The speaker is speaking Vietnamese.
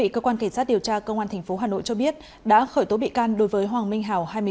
cơ quan cảnh sát điều tra công an tp hà nội cho biết đã khởi tố bị can đối với hoàng minh hào